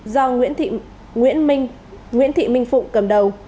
do nguyễn thị minh phụng cầm đầu